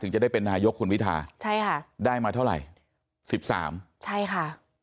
จะได้เป็นนายกคุณพิทาใช่ค่ะได้มาเท่าไหร่สิบสามใช่ค่ะ